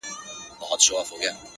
هو په همزولو کي له ټولو څخه پاس يمه ـ